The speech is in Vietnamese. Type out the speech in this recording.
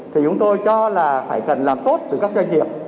thì chúng tôi cho là phải cần làm tốt từ các doanh nghiệp